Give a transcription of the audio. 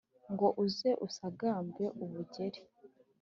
ngo uze usagambe ubujyeri.